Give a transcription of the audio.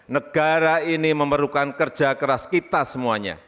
negara ini memerlukan kerja keras kita semuanya